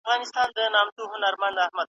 چي کیسې مي د ګودر د پېغلو راوړي .